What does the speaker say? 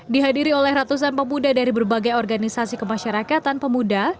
dihadiri oleh ratusan pemuda dari berbagai organisasi kemasyarakatan pemuda